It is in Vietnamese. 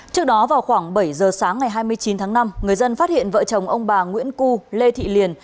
trước đó vào khoảng bảy giờ sáng ngày hai mươi chín tháng năm người dân phát hiện vợ chồng ông bà nguyễn cu lê thị liền